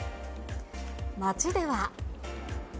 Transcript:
街では。